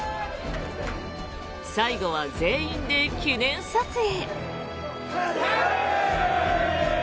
最後は全員で記念撮影。